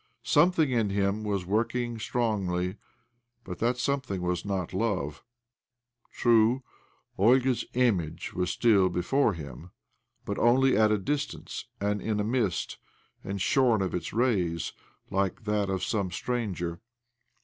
Some thing in him was working strongly ; but that something was not love. True, Olga's image was still before him, but only at a distance, and in a mist, and shorn of its rays, like that of some stranger.